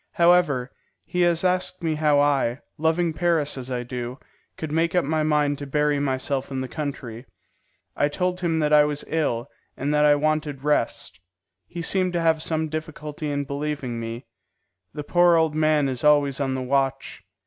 However, he has asked me how I, loving Paris as I do, could make up my mind to bury myself in the country. I told him that I was ill, and that I wanted rest. He seemed to have some difficulty in believing me. The poor old man is always on the watch.